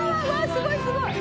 すごいすごい。